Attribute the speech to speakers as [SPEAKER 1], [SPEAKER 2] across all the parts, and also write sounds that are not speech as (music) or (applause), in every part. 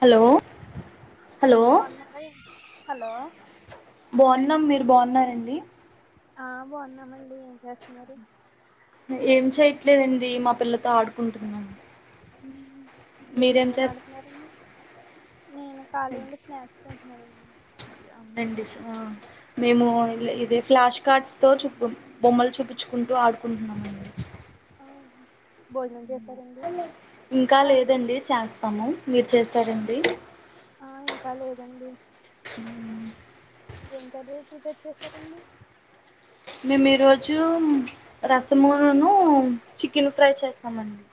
[SPEAKER 1] Hello hello
[SPEAKER 2] బాగున్నారా hello
[SPEAKER 1] బాగున్నాం మీరు బాగున్నారండి
[SPEAKER 2] ఆ బాగున్నామండి ఏం చేస్తున్నారు
[SPEAKER 1] ఏం చేయట్లేదండి మా పిల్లతో ఆడుకుంటున్నాం
[SPEAKER 2] ఏం
[SPEAKER 1] మీరేం
[SPEAKER 2] గేమ్
[SPEAKER 1] చేస్
[SPEAKER 2] ఆడుతున్నారండి నేను ఖాళీ ఉండి స్నాక్స్ తింటున్నానుండి
[SPEAKER 1] అవునండి మేము ఇదే ఫ్లాష్ కార్డ్స్ తో చుపూ బొమ్మలు చూపించుకుంట టు ఆడుకుంటున్నామండి
[SPEAKER 2] ఆ భోజనం చేసరండి
[SPEAKER 1] ఇంకా లేదండి చేస్తాము. మీరు చేసారండి
[SPEAKER 2] ఆ ఇంకా లేదండి ఏం కర్రి ప్రిపేర్ చేశారండి
[SPEAKER 1] మేము ఈరోజు రసమూను చికెన్ ఫ్రై చేస్తామండి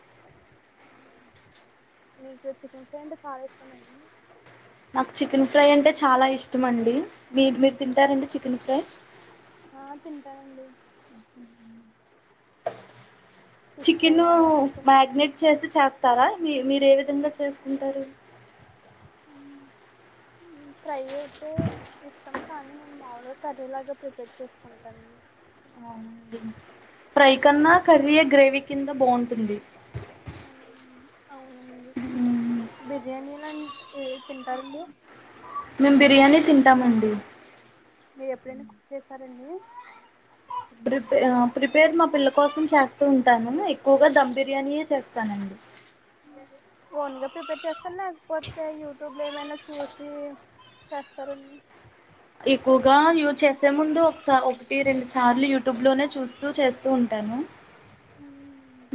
[SPEAKER 2] మీకు చికెన్ ఫ్రై అంటే చాలా ఇష్టమండి
[SPEAKER 1] నాకు చికెన్ ఫ్రై అంటే చాలా ఇష్టం ఇష్టమండి మీది మీరు తింటారండి చికెన్ ఫ్రై
[SPEAKER 2] ఆ తింటానండి ఫిష్ ఫ్రై
[SPEAKER 1] చికెన్
[SPEAKER 2] ఏమైనా తింటా
[SPEAKER 1] మ్యగినేట్ చేసి చేస్తారా మీ మీరు ఏ విధంగా చేసుకుంటారు
[SPEAKER 2] ఫ్రై అయితే ఇష్టం కానీ నేను మామూలుగా కర్రీ లాగా ప్రిపేర్ చేసుకుంటాను
[SPEAKER 1] అవున ఫ్రై కన్నా కర్రీఏ గ్రేవీ కింద బాగుంటుంది
[SPEAKER 2] అవునండి ఏ తింటారండి
[SPEAKER 1] మేము బిర్యానీ తింటామండి
[SPEAKER 2] మీరు ఎప్పుడైనా కుక్ చేసారండి
[SPEAKER 1] ప్రిపే ప్రిపేర్ మా పిల్ల కోసం చేస్తూ ఉంటాను ఎక్కువగా ధమ్ బిర్యానియే చేస్తానండి
[SPEAKER 2] ఫోన్గా ప్రిపేర్ చేస్తారు లేకపోతే యూట్యూబ్ లో ఏమైనా చూసి చేస్తారా అండి
[SPEAKER 1] ఎక్కువగా యూజు చేసే ముందు ఒకస ఒకటి రెండు సార్లు యూట్యూబ్ లోనే చూస్తూ చేస్తూ ఉంట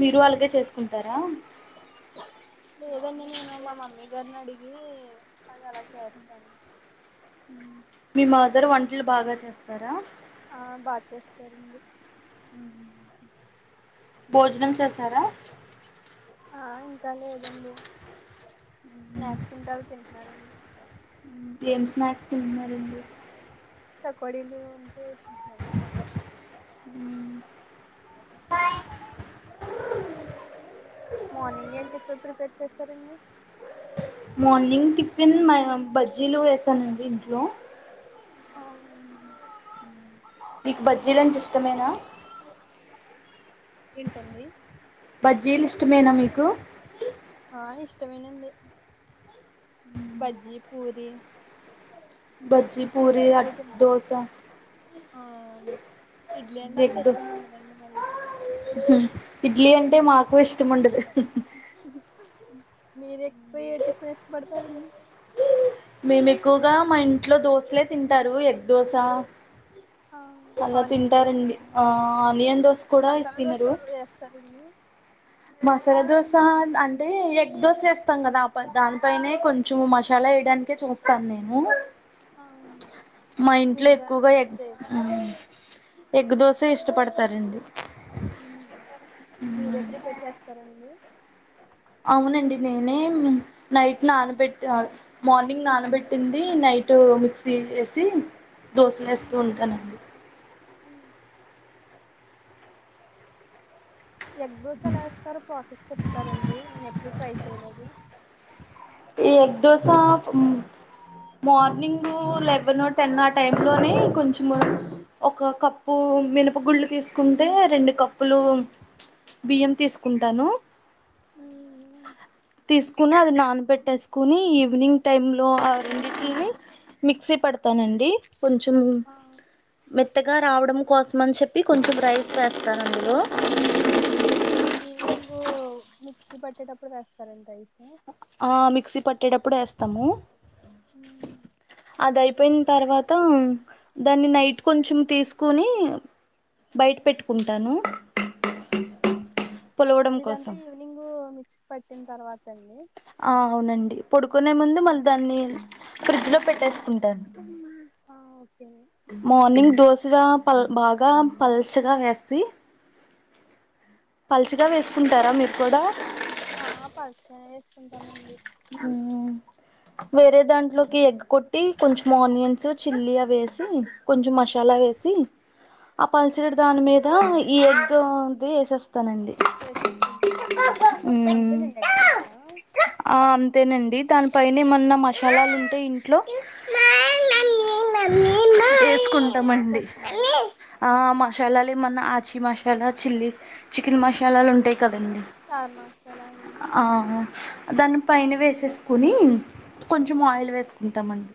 [SPEAKER 1] మీరు అలాగే చేసుకుంటారా
[SPEAKER 2] లేదండి నేను మా మమ్మీ గారిని అడిగి అది అలా చేస్తాను
[SPEAKER 1] మీ మదర్ వంటలు బాగా చేస్తారా
[SPEAKER 2] ఆ బాగా చేస్తారండి
[SPEAKER 1] భోజనం చేసారా
[SPEAKER 2] ఆ ఇంకా లేదండి స్నాక్స్ ఉంటే అవి తింటున్నారండి
[SPEAKER 1] ఏం స్నాక్స్ తింటున్నారండి
[SPEAKER 2] చకోడిలు అంతే
[SPEAKER 1] అ
[SPEAKER 2] మార్నింగ్ ఏం టిఫిన్ ప్రిపేర్ చేస్త సరేనే
[SPEAKER 1] మార్నింగ్ టిఫిన్ మ బజ్జీలు వేసానండి ఇంట్లో
[SPEAKER 2] ఆహా
[SPEAKER 1] మీకు బజ్జీల అంటే ఇష్టమేనా
[SPEAKER 2] ఏంటండి
[SPEAKER 1] బజ్జీలిస్టమేనా మీకు
[SPEAKER 2] ఆ ఇష్టమేనండి బజ్జీ పూరి
[SPEAKER 1] బజి పూరి
[SPEAKER 2] ఎక్కువ
[SPEAKER 1] అట్
[SPEAKER 2] తింటాం
[SPEAKER 1] దోసా
[SPEAKER 2] ఆ ఇడ్లీ అంటే అంత ఇష్టం ఉండదండి మళ్ళీ
[SPEAKER 1] ఇడ్లీ అంటే మాకు ఇష్టముండదు
[SPEAKER 2] మీరు ఎక్కు ఏ టిఫిన్ ఇష్టపడతారండి
[SPEAKER 1] మేము ఎక్కువగా మా ఇంట్లో దోశలే తింటారు ఎగ్ దోశ
[SPEAKER 2] ఆ
[SPEAKER 1] అలా
[SPEAKER 2] ఆనియన్ దోశ
[SPEAKER 1] తింటారండి ఆ ఆనియన్ దోశ కూడా ఇస్
[SPEAKER 2] మసాలా దోశ
[SPEAKER 1] తినరు
[SPEAKER 2] వేస్తారండి
[SPEAKER 1] మసాలా దోస అంటే ఎగ్ దోశ వేస్తాం కదా ఆప దానిపైనే కొంచెం మష్ చాలెయడానికే
[SPEAKER 2] మస్త్
[SPEAKER 1] చూస్తాను నేను
[SPEAKER 2] ఆ
[SPEAKER 1] మా ఇంట్లో
[SPEAKER 2] విడిగా
[SPEAKER 1] ఎక్కువగా
[SPEAKER 2] వేసి
[SPEAKER 1] ఎగ్
[SPEAKER 2] చేయరండి
[SPEAKER 1] ఎగ్గు దోషె
[SPEAKER 2] ఉమ్,
[SPEAKER 1] ఇష్టపడతారండి ఊ
[SPEAKER 2] సరేండి
[SPEAKER 1] అవునండి నేనే నైట్ నానబెట్టి ఆ మార్నింగ్ నానబెట్టింది నైట్ నైటు మిక్స్ తీయెసి
[SPEAKER 2] ఉమ్,
[SPEAKER 1] దోసలేస్తూ
[SPEAKER 2] ఉమ్,
[SPEAKER 1] ఉంటానండి
[SPEAKER 2] ఉమ్. ఎగ్ దోశ ఎలా ఏస్తారో ప్రాసెస్ చెప్తారండి నేను ఎప్పుడు ట్రై చేయలేదు
[SPEAKER 1] ఈ ఎగ్ దోసా ఉమ్ మార్నింగు లెవెనొ టెన్ ఆ టై లోనే కొంచెము ఒక కప్పు మినప గుళ్ళు తీసుకుంటే రెండు కప్పులు బియ్యం తీసుకుంటాను
[SPEAKER 2] ఉమ్,
[SPEAKER 1] తీసుకుని అది నానబెట్టేసుకుని ఈవినింగ్ టైమ్ లో ఆ రెండిటిల్ని మిక్సీ పడతానండి కొంచెం
[SPEAKER 2] ఆ,
[SPEAKER 1] మెత్ త్తగా రావడం కోసం అని చెప్పి కొంచెం రైస్ వేస్తారు అందులో
[SPEAKER 2] ఈవినింగ్ మిక్సీ పట్టేటప్పుడు వేస్తారండి రైస్
[SPEAKER 1] ఆ మిక్సీ పట్టేటప్పుడు వేస్తాము అద అయిపోయిన తర్వాత దాన్ని నైట్ కొంచెం తీసుకుని బయట పెట్టుకుంటాను పులవడం
[SPEAKER 2] ఇదంతే
[SPEAKER 1] కోసం
[SPEAKER 2] ఈవినింగ్ మిక్స్ పట్టిన తర్వాత అండి
[SPEAKER 1] ఆ అవునండి పడుకునే ముందు
[SPEAKER 2] ఆ
[SPEAKER 1] మళ్ళీ దాన్ని ఫ్రిడ్జ్ లో పెట్టేసుకుంటాను
[SPEAKER 2] ఆవ్
[SPEAKER 1] మార్నింగ్ దోశ పల్ బాగా పల్చగా వేసి
[SPEAKER 2] అండి
[SPEAKER 1] పలుచగా వేసుకుంటారా మీరు కూడా
[SPEAKER 2] ఆ పల్
[SPEAKER 1] ఊ వేరే దాంట్లోకి ఎగ్ కొట్ పెట్టి కొంచెం ఆనియన్స్ చిల్లీ అ వేసి కొంచెం మసాలా వేసి ఆ పల్చటి
[SPEAKER 2] ఆ
[SPEAKER 1] దాని మీద ఈ ఎగ్ ది వేసెస్
[SPEAKER 2] వేసేసానండి
[SPEAKER 1] మ్మ్
[SPEAKER 2] అంతేలెండి ఎగ్ దోస
[SPEAKER 1] ఆ అంతేనండి దానిపైనే ఏమన్నా మసాలాలు ఉంటే ఇంట్లో
[SPEAKER 2] అవి
[SPEAKER 1] ఏసుకుంటామండి
[SPEAKER 2] వేసుకోవచ్చండి
[SPEAKER 1] ఆ మ మషాలాలు ఏమన్నా ఆచి మషాలా చిల్లీ చికెన్ మషాలాలు ఉంటాయి కదండి
[SPEAKER 2] స్టార్ మసాలా అవిని
[SPEAKER 1] ఆ ఆ దాని పైన వేసేసుకుని కొంచెం ఆయిల్
[SPEAKER 2] మ్మ్.
[SPEAKER 1] వేసుకుంటామండి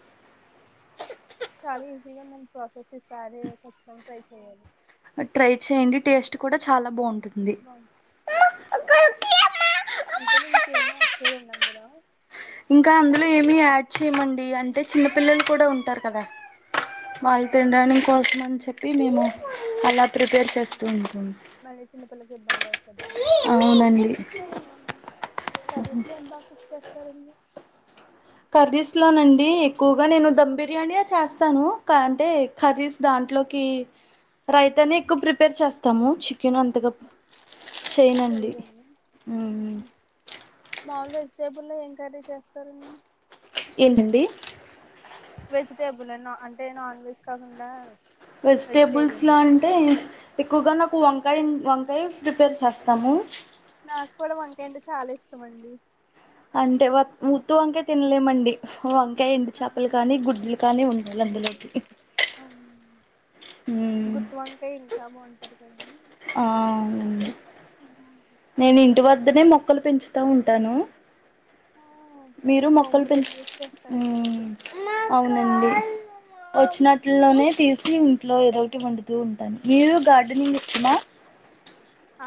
[SPEAKER 2] చాలా ఈజీగా ఉందండి ప్రాసెస్ ఈసారి ఖచ్చితంగా ట్రై చెయాలి
[SPEAKER 1] ట్రై చేయండి టేస్ట్ కూడా చాలా బాగుం
[SPEAKER 2] అంతేన ఇంకేమి ఆడ్ చేయ (unintelligible) హలో
[SPEAKER 1] ఇంకా అందులో ఏమి యాడ్ చేయమండి అంటే చిన్న పిల్లలు కూడా ఉంటారు కదా
[SPEAKER 2] ఆ
[SPEAKER 1] వాళ్ళు
[SPEAKER 2] ఓకే
[SPEAKER 1] తిడానికోసం అని చెప్పి మేము అలా ప్రిపేర్
[SPEAKER 2] మ్మ్.
[SPEAKER 1] చేస్తూ ఉంటాం
[SPEAKER 2] మళ్ళీ చిన్నపిల్లకి ఇబ్బంది అయిపోద్ది
[SPEAKER 1] అవునండి
[SPEAKER 2] కరిస్లేం బా కుక్ చేస్తారండి
[SPEAKER 1] కర్రీస్ లోనండి ఎక్కువుగా నేను ధమ్ బిర్యానియే చేస్తాను కా అంటే కర్రీస్ దాంట దాంట్లోకి రైతానే ఎక్కువ ప్రిపేర్ చేస్తాము నేను అంతగా చేయనుండి
[SPEAKER 2] స్టేబుల్లో లో ఎం కర్రీ చేస్తారు
[SPEAKER 1] ఏంటండి
[SPEAKER 2] వెజిటేబుల్నా అంటే నాన్ వెజ్ కాకుండా వెజిటేరియన్
[SPEAKER 1] వెజిటేబుల్స్లో అంటే ఎక్కువగా నాకు వంకాయ వంకాయ ప్రిపేర్ చేస్తాము
[SPEAKER 2] నాకు కూడా వంకాయ అంటే చాలా ఇష్టము అండి
[SPEAKER 1] అంటే వుత్తు వంకాయ తినలేమండి వంకాయ ఎండు
[SPEAKER 2] ఆ
[SPEAKER 1] చేపలు కానీ గుడ్డులు కానీ ఉండాలి అందులోకి
[SPEAKER 2] అవు గుత్ వంకాయి ఇంకా బాగుంటది కదండి
[SPEAKER 1] ఆ నేను ఇంటి వద్దనే మొక్కలు పెంచుతా ఉంటాను
[SPEAKER 2] ఆ
[SPEAKER 1] మీరు
[SPEAKER 2] హోమ్
[SPEAKER 1] మొక్కలు పెంచ
[SPEAKER 2] రెమెడీస్ చేస్తారండి
[SPEAKER 1] హ్మ్
[SPEAKER 2] అయితే
[SPEAKER 1] అవునండి వచ్చినట్లోనే తీసి ఇట్లో ఏద ఒకటి వంతూ ఉంటాను మీరు గార్డెనింగ్ ఇష్టమా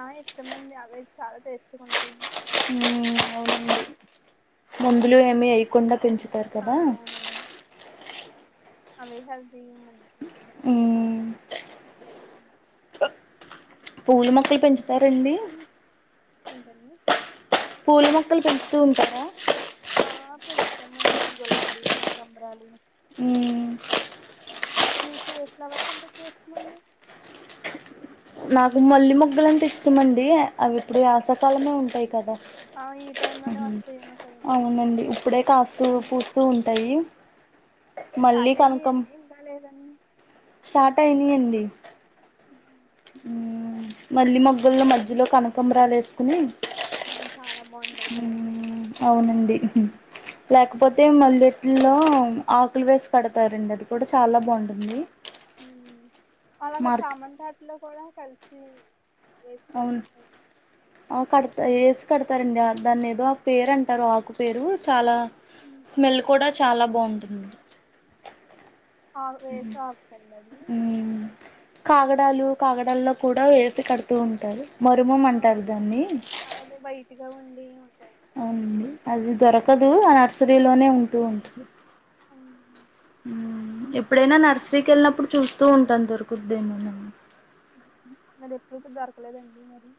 [SPEAKER 2] ఆ ఇష్టమండి అవి చాలా టేస్ట్ ఉంటాయి
[SPEAKER 1] మ్మ్ ముందులు ఏమి అయ్యకుండా పెంచుతారు
[SPEAKER 2] ఆ
[SPEAKER 1] కదా
[SPEAKER 2] అవునండి అవే హెల్తీ
[SPEAKER 1] పూల మొక్కలు పెంచుతారండి
[SPEAKER 2] అంతం
[SPEAKER 1] పుల మొక్కలు పెంచుతు ఉంటరా
[SPEAKER 2] ఆ పెంచుతామండి గులాబీ కనకంబరాలు
[SPEAKER 1] మ్మ్
[SPEAKER 2] మీకు ఏ ఫ్లవర్స్ అంతా ఎక్కువ ఇష్టమండి
[SPEAKER 1] నాకు మల్లి ముగ్గులంటే ఇష్టమండి అవి ఇప్పుడు యాసాకాలమే ఉంటాయి కదా
[SPEAKER 2] ఆ ఈ టైమ్ లోనే వస్తాయేమో కదండి
[SPEAKER 1] అవునండి ఇప్పుడే కాస్తూ పూస్తూ ఉంటాయి మళ్ళీ
[SPEAKER 2] స్టార్ట్
[SPEAKER 1] కనకం
[SPEAKER 2] అయినాయండి ఇంకా లేదండీ
[SPEAKER 1] స్టార్ట్ అయినాయండి మల్లి మొగ్గుల్లో
[SPEAKER 2] ఎక్-
[SPEAKER 1] మధ్యలో కనకంబరాలు వేసుకుని
[SPEAKER 2] ఉమ్, చాలా బాగుంటది కదండి
[SPEAKER 1] హ్మ్ అవునండి లేకపోతే మల్లె ఇట్లో ఆకులు వేసి కడతారండి అది కూడా చాలా బాగుంటుంది
[SPEAKER 2] అలాగా
[SPEAKER 1] మార్క్
[SPEAKER 2] చామంతాటలో కూడా కలిసి వేసి
[SPEAKER 1] అవును
[SPEAKER 2] కడతారు కదండి
[SPEAKER 1] ఆ కడతా వేసి కడతారండి దాన్ని ఏదో పేరు అంటారు ఆకు పేరు చాలా
[SPEAKER 2] ఉమ్.
[SPEAKER 1] స్మెల్ కూడా చాలా బాగుంటుంది
[SPEAKER 2] ఆ వేసే ఆకండి అది
[SPEAKER 1] మ్మ్ కాగడాలు కాగడాల్లో కూడా వేసి కడుతూ ఉంటారు మరుమం అంటారు దాన్ని
[SPEAKER 2] ఇగా ఉంది
[SPEAKER 1] శ్రీ లోనే ఉంటూ ఉంటుంది
[SPEAKER 2] అఓ
[SPEAKER 1] ఎప్పుడైనా నర్సరీక్ వెళ్ళినప్పుడు చూస్తూ ఉంటా దొరుకుద్దేమోనని
[SPEAKER 2] అదెప్పుడుకి దొరకలేదండి మరి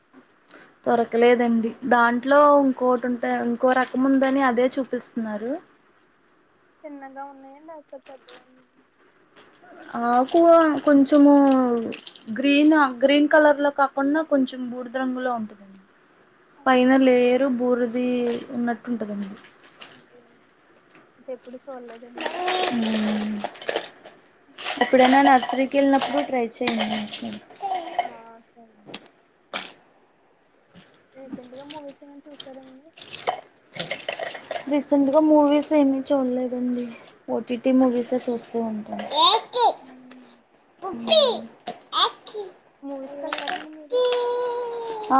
[SPEAKER 1] కలేదండి దాంట్లో ఇంకోటి ఉంటా ఇంకో రకం ఉందని అదే చూపిస్తున్నారు
[SPEAKER 2] చిన్నగా ఉన్నాయ లేక్పోతే పెద్దగా ఉన్నా
[SPEAKER 1] ఆకువా కొంచెమూ గ్రీన్ గ్రీన్ కలర్ లొ కాకుండా కొంచెం బూడిద రంగులో ఉంటదండి పైన లేయరు బూరిదీ ఉన్నట్టుంటదండి
[SPEAKER 2] అంటే ఎప్పుడు చూడలేదండి
[SPEAKER 1] ఎప్పుడనైనా నర్సరీక్ కెల్నప్పుడు ట్రై చేయండి
[SPEAKER 2] ఆ సరే రీసెంట్ గా మూవీస్ ఏవైన చూసారండీ
[SPEAKER 1] రీసెంట్గా మూవీస్ ఏమి చూడ్లేదండి ఓటిటి మూవీసె చూస్తూ ఉంటాం
[SPEAKER 2] మ్
[SPEAKER 1] (unintelligible)
[SPEAKER 2] మూవీస్కెళ్తారండి మీరు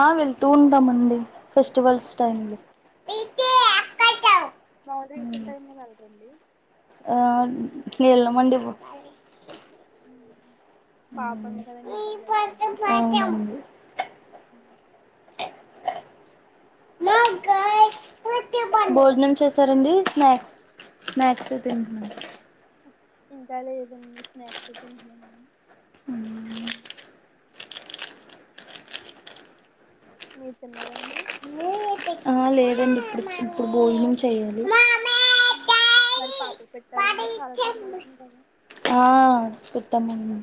[SPEAKER 1] ఆ వెళ్తూ ఉంటామండి ఫెస్టివల్స్ టైమ్ లో
[SPEAKER 2] మాముల్గా రీసెంట్ టైమ్ లొ వెల్రండి
[SPEAKER 1] ఆ ఎల్లమండి
[SPEAKER 2] మ్ పాప ఉంది కదండి ఇబ్బంది అయిపోద్ది
[SPEAKER 1] అవునండి భోజనం చేసారండీ
[SPEAKER 2] మరి
[SPEAKER 1] స్నాక్ స్నాక్స్ తింటు
[SPEAKER 2] ఇంకా లేదండి స్నాక్స్ తింట్నం
[SPEAKER 1] మ్
[SPEAKER 2] మీర్ తిన్నారండీ
[SPEAKER 1] ఆ లేదండి ఇప్పుడ్ ఇప్పుడు బోజనం చేయాలి
[SPEAKER 2] మరి పాప పెట్టారండి చాలా టైం అవుతుంది కదా
[SPEAKER 1] ఆ పెట్టామండి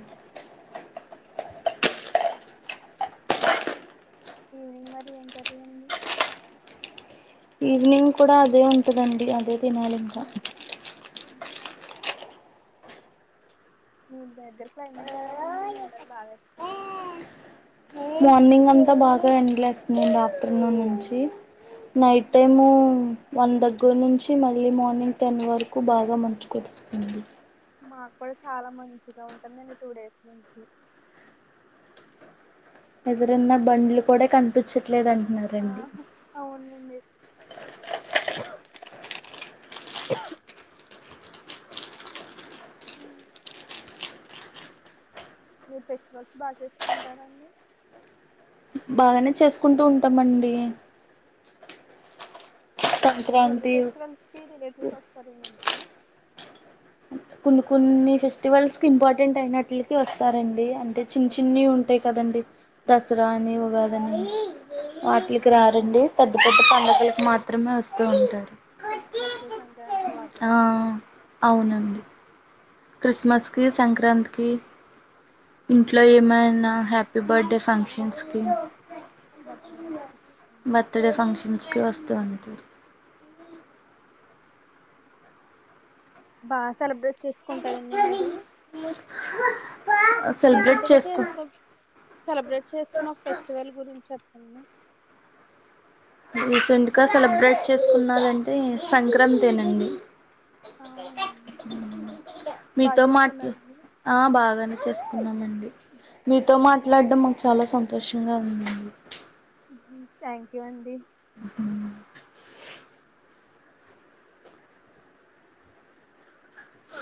[SPEAKER 2] ఈవినింగ్ మరి ఏం కర్రీ అండి
[SPEAKER 1] ఈవినింగ్ కడా అదే ఉంటదండి అదే తినాలి ఇంకా
[SPEAKER 2] అండి మీ దగ్గర క్లైమేట్ ఎలా ఉందండి ఎండలు బావేస్తున్నాయా
[SPEAKER 1] మార్నింగ్ అంతా బాగ ఎండ్లేస్తున్నాయ్ ఆఫ్టర్నూన్ నుంచీ నైట్ టైమూ వన్ దగ్గర్ నుంచి మళ్ళీ మార్నింగ్ టెన్ వరకు బాగా మంచుకురుస్తుంది
[SPEAKER 2] మాక్ కుడ చాలా మంచిగా ఉంటుందండి టూ డేస్ నుంచి
[SPEAKER 1] ఎదురున్న బండ్లు కూడా కనిపించట్లేదు
[SPEAKER 2] ఆ
[SPEAKER 1] అంటున్నారండి
[SPEAKER 2] అవునండి మీర్ ఫెస్టివల్స్ బాగ్ చేసుకుంటారాండి
[SPEAKER 1] బాగనే చేసుకుంటూ ఉంటమండీ
[SPEAKER 2] ఎవ్రీ
[SPEAKER 1] సంక్రాంతి
[SPEAKER 2] ఫెస్టివల్స్కి రిలేటివ్స్ వస్తారండి ఇంటికి
[SPEAKER 1] కొన్ని కొన్ని ఫెస్టివల్స్ కి ఇంపార్టెంట్ అయినట్లికి వస్తారండి అంటే చిన్ చిన్ని
[SPEAKER 2] వస్తారండి
[SPEAKER 1] ఉంటాయ్ కదండి దసరా అని ఉగాదని వాటిల్కి రారండి పెద్ద పెద్ద పండుగలకు మాత్రమే వస్తూ ఉంటారు
[SPEAKER 2] క్రిస్మస్ సంక్రాంతికి వాటిల్కి వస్తారు
[SPEAKER 1] క్రిస్మస్ కి సంక్రాంతికిి ఇంట్లో ఏమైనా హ్యాపీ బర్త్డే ఫంక్షన్స్ కి
[SPEAKER 2] బర్త్డే ఫంక్షన్స్
[SPEAKER 1] బర్త్డే ఫంక్షన్స్ కి వస్తూ ఉంటారు
[SPEAKER 2] బా సెలబ్రేట్ చేస్కుంటారండి మీరు
[SPEAKER 1] సెలబ్రేట్
[SPEAKER 2] రీసెంట్గా
[SPEAKER 1] చేసుకు
[SPEAKER 2] చేసుకో సెలబ్రేట్ చేసుకునే ఒక ఫెస్టివల్ గురించి చెప్పండి
[SPEAKER 1] రీసెంట్గా సెలబ్రేట్ చేసుకున్నానంటే సంక్రాంతేనండి
[SPEAKER 2] ఆ, బాగా
[SPEAKER 1] మీతో మాట్లు
[SPEAKER 2] చేసుకున్నారండి
[SPEAKER 1] ఆ బాగానే చేసుకున్నామండి మీతో మాట్లాడం మాకు చాలా సంతోషంగా ఉందండి
[SPEAKER 2] థ్యాక్ యూ అండి
[SPEAKER 1] ఆ